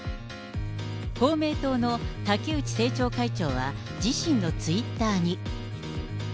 公明党の竹内政調会長は、自身のツイッターに。